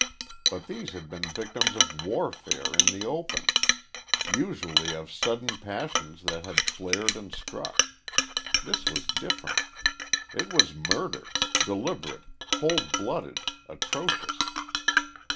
But these had been victims of warfare in the open, usually of sudden passions that had flared and struck. This was different. It was murder, deliberate, cold blooded, atrocious.